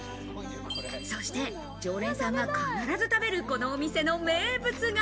そして常連さんが必ず食べる、このお店の名物が。